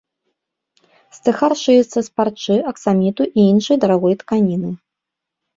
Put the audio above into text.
Стыхар шыецца з парчы, аксаміту і іншай дарагой тканіны.